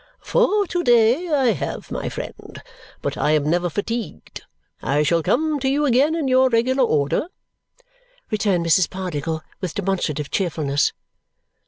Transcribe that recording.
"For to day, I have, my friend. But I am never fatigued. I shall come to you again in your regular order," returned Mrs. Pardiggle with demonstrative cheerfulness.